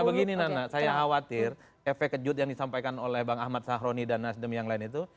karena begini nana saya khawatir efek kejut yang disampaikan oleh bang ahmad sahroni dan nasdem yang lain itu